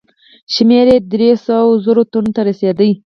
شمېر یې دریو سوو زرو تنو ته رسېدی.